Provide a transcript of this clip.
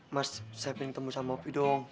mas saya pengen ketemu sama opi dong